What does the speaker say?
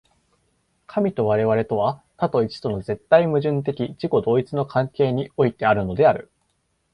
神と我々とは、多と一との絶対矛盾的自己同一の関係においてあるのである。